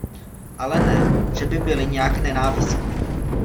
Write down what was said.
Ale ne, že by byli nějak nenávistní.